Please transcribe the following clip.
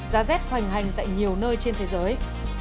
giá rét hoành hành tại nhiều nơi trên thế giới